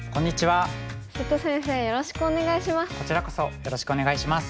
瀬戸先生よろしくお願いします。